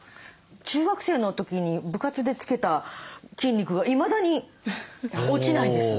中学生の時に部活で付けた筋肉がいまだに落ちないです。